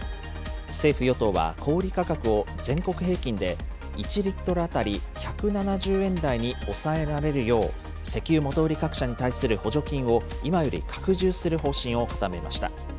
政府・与党は小売り価格を全国平均で１リットル当たり１７０円台に抑えられるよう、石油元売り各社に対する補助金を今より拡充する方針を固めました。